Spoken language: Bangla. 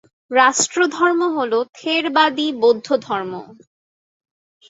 রাষ্ট্রধর্ম হল থেরবাদী বৌদ্ধধর্ম।